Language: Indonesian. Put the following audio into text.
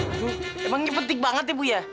ibu emangnya penting banget ibu ya